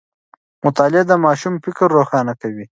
مطالعه د ماشوم فکر روښانه کوي.